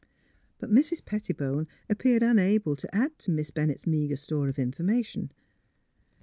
" But Mrs. Pettibone appeared unable to add to Miss Bennett's meagre store of information.